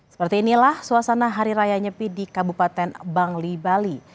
seperti inilah suasana hari raya nyepi di kabupaten bangli bali